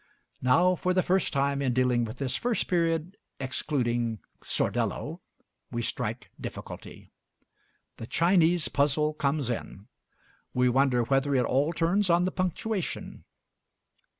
Now, for the first time in dealing with this first period, excluding 'Sordello,' we strike difficulty. The Chinese puzzle comes in. We wonder whether it all turns on the punctuation.